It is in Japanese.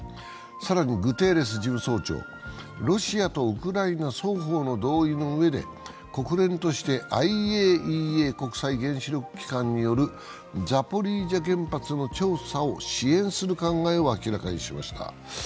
更に、グテーレス事務総長、ロシアとウクライナ双方の同意のうえで国連としてＩＡＥＡ＝国際原子力機関によるザポリージャ原発の調査を支援する考えを明らかにしました。